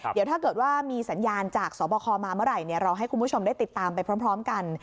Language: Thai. เดี๋ยวถ้าเกิดว่ามีสัญญาณจากสบคมาเมื่อไหร่เราให้คุณผู้ชมได้ติดตามไปพร้อมกัน